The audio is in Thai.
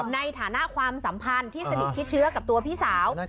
ในฐานะความสัมพันธ์ที่สนิทชิดเชื้อกับตัวพี่สาว